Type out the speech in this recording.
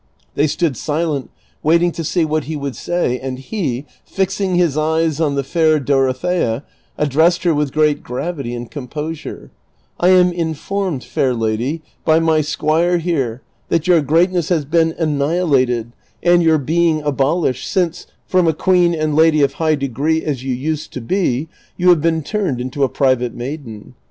They stood silent waiting to see what he would say, and he, fixing his eyes on the fair Dorothea, addressed her with great gravity and composure :" I am informed, fair lady, by my squire here that your greatness has been annihilated and your being abolished, since, from a queen and lady of high degree as you used to be, you have been turned into a private maiden.